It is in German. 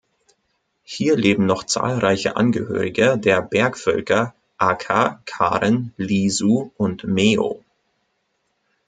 Hier leben noch zahlreiche Angehörige der Bergvölker Akha, Karen, Lisu und Meo.